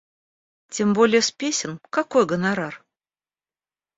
Тем более с песен — какой гонорар?!